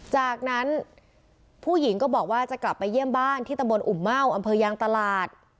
จากนั้นผู้หญิงก็บอกว่าจะกลับไปเยี่ยมบ้านที่ตำบลอุ่มเม่าอำเภอยางตลาด